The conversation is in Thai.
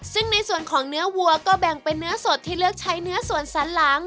ซึ่งในส่วนของเนื้อวัวก็แบ่งเป็นเนื้อสดที่เลือกใช้เนื้อส่วนสันหลัง